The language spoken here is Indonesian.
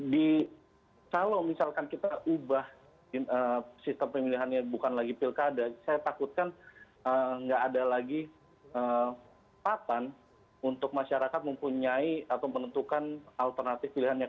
di kalau misalkan kita ubah sistem pemilihannya bukan lagi pilkada saya takutkan nggak ada lagi papan untuk masyarakat mempunyai atau menentukan alternatif pilihannya